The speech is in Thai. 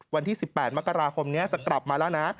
วันที่๑๘มกราคมนี้จะกลับมาแล้วนะ